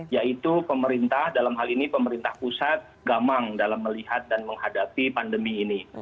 yaitu pemerintah dalam hal ini pemerintah pusat gamang dalam melihat dan menghadapi pandemi ini